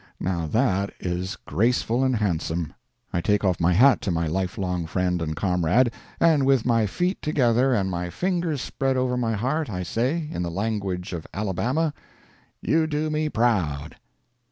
[Now that is graceful and handsome. I take off my hat to my life long friend and comrade, and with my feet together and my fingers spread over my heart, I say, in the language of Alabama, "You do me proud."